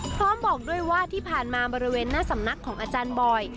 พร้อมบอกด้วยว่าที่ผ่านมาบริเวณหน้าสำนักของอาจารย์บอย